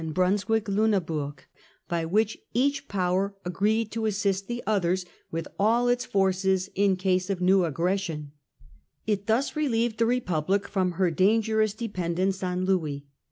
Brunswick Luneburg, by which each power agreed to assist the others with all its forces in case of new 1 666. 135 The Four Days Battle. aggression. It thus relieved the Republic from her dan gerous dependence on Louis.